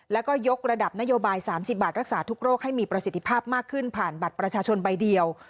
แล้วก็ยกระดับนโยบาย๓๐บาทรักษาทุกโรคให้มีประสิทธิภาพมากขึ้นผ่านบัตรประชาชนใบเดียว